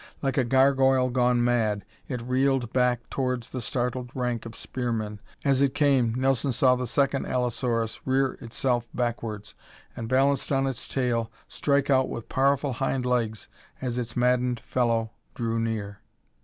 Like a gargoyle gone mad it reeled back towards the startled rank of spearmen. As it came, Nelson saw the second allosaurus rear itself backwards and, balanced on its tail, strike out with powerful hind legs as its maddened fellow drew near.